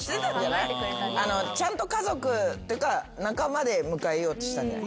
ちゃんと家族仲間で迎えようとしたんじゃない？